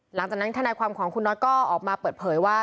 หลังจากนั้นธนาความของคุณน็อตก็ออกมาเปิดเผยว่า